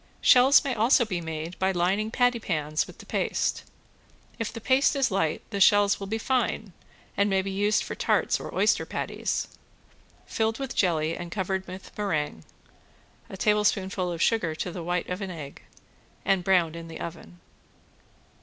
Shells may also be made by lining pattypans with the paste; if the paste is light the shells will be fine and may be used for tarts or oyster patties. Filled with jelly and covered with meringue (a tablespoonful of sugar to the white of an egg), and browned in the oven.